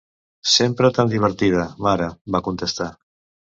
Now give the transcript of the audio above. "Sempre tan divertida, mare," va contestar.